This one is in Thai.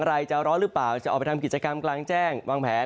อะไรจะร้อนหรือเปล่าจะออกไปทำกิจกรรมกลางแจ้งวางแผน